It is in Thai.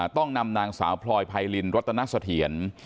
ต้องนำนางสาวพรอยพายลินรัตนาศเถียน